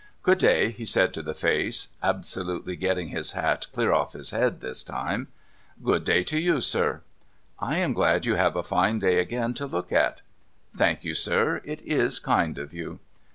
' Good day,' he said to the face ; absolutely getting his hat clear off his head this time. ' Good day to you, sir.' ' I am glad you have a fine sky again to look at.' ' Thank you, sir. It is kind of you.'